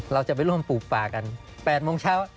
เราจะไปร่วมปลูกป่ากัน๘โมงเช้า